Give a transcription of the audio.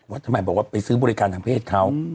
ว่าทำไมบอกว่าไปซื้อบริการทางเพศเขา